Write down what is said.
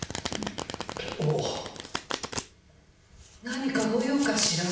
何かご用かしら？